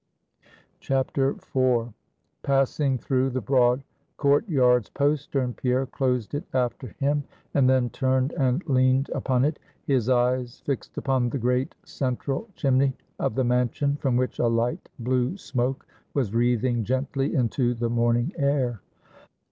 IV. Passing through the broad court yard's postern, Pierre closed it after him, and then turned and leaned upon it, his eyes fixed upon the great central chimney of the mansion, from which a light blue smoke was wreathing gently into the morning air.